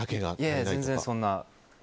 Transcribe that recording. いや、全然そんな。